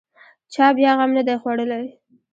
چا بیا غم نه دی خوړلی.